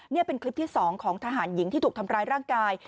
นี่เป็นคลิปที่๒ของทหารหญิงที่ถูกทำร้ายร่างกาย